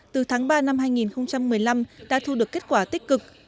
từ tháng ba năm hai nghìn một mươi năm đã thu được kết quả tích cực